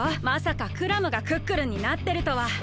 まさかクラムがクックルンになってるとは！